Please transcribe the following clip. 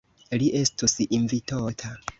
Li estus invitota.